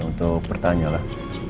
untuk pertanya lah